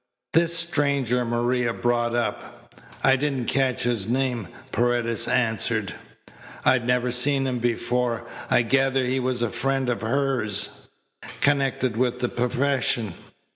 This stranger Maria brought up?" "I didn't catch his name," Paredes answered. "I'd never seen him before. I gathered he was a friend of hers connected with the profession.